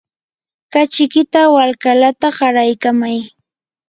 kachikita walkalata qaraykamay.